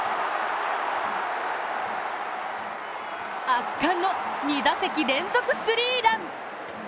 圧巻の２打席連続スリーラン。